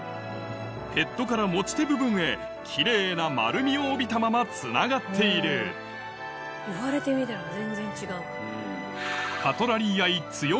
ヘッドから持ち手部分へキレイな丸みを帯びたままつながっているここからの。